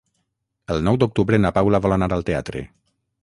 El nou d'octubre na Paula vol anar al teatre.